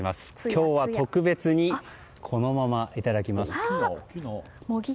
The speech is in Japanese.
今日は特別にこのままいただきます。